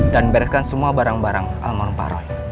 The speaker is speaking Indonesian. dan bereskan semua barang barang almarhum pak roy